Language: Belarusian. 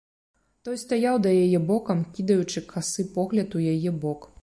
Той стаяў да яе бокам, кідаючы касы погляд у яе бок.